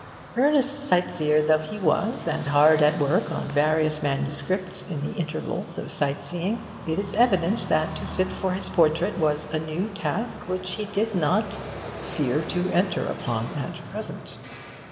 Earnest sight seer though he was, and hard at work on various MSS. in the intervals of sight seeing, it is evident that to sit for his portrait was a new task which he did not 'fear to enter upon at present.